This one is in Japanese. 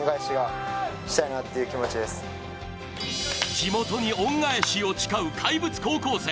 地元に恩返しを誓う怪物高校生。